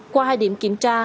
qua hai điểm kiểm tra